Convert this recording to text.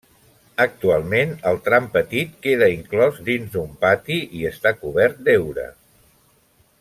Actualment, el tram petit queda inclòs dins d'un pati i està cobert d'heura.